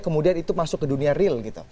kemudian itu masuk ke dunia real gitu